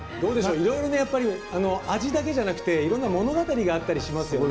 いろいろ、味だけじゃなくていろんな物語があったりしますよね。